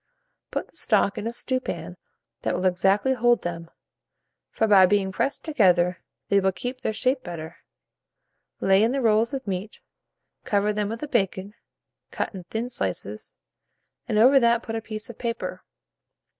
Put the stock in a stewpan that will exactly hold them, for by being pressed together, they will keep their shape better; lay in the rolls of meat, cover them with the bacon, cut in thin slices, and over that put a piece of paper.